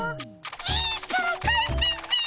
いいから帰ってっピ。